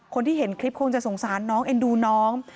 คนที่เห็นคลิปคงจะสงสารน้องเอ็นดูน้อง